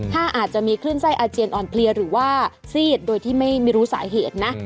ถ้าอาจจะมีคลื่นไส้อาเจียนอ่อนเพลียหรือว่าซีดโดยที่ไม่รู้สาเหตุนะ